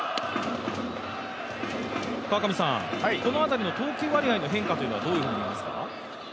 このあたりの投球割合の変化はどう見ますか？